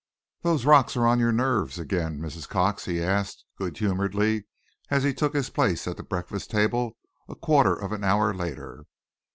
"Those rocks on your nerves again, Mrs. Cox?" he asked, good humouredly, as he took his place at the breakfast table a quarter of an hour later.